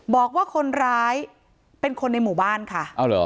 บอกว่าคนร้ายเป็นคนในหมู่บ้านค่ะ